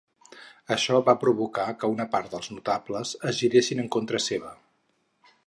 Això va provocar que una part dels notables es giressin en contra seva.